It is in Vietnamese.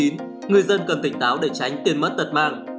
người dân cần tỉnh táo để tránh tiền mất tật mang